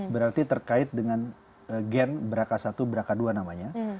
berarti terkait dengan gen brca satu brca dua namanya